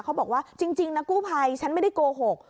เขาบอกว่าจริงนะกู้ภัยฉันไม่ได้โกหก